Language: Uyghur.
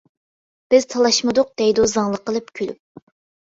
بىز تالاشمىدۇق دەيدۇ زاڭلىق قىلىپ كۈلۈپ.